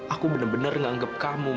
aku bener bener nganggep kamu mai